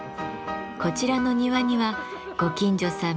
こちらの庭にはご近所さん